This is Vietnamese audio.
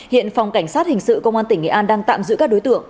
hiện phòng cảnh sát hình sự công an tỉnh nghệ an đang tạm giữ các đối tượng